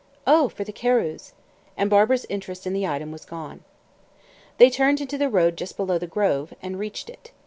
"Oh, for the Carews." And Barbara's interest in the item was gone. They turned into the road just below the grove, and reached it.